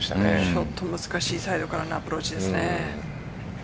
ちょっと難しいサイドからのアプローチですね。